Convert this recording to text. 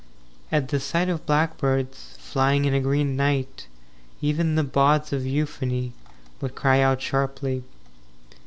X At the sight of blackbirds Flying in a green light Even the bawds of euphony Would cry out sharply.